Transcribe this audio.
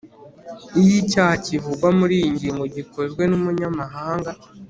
iyo icyaha kivugwa muri iyi ngingo gikozwe n’umunyamahanga,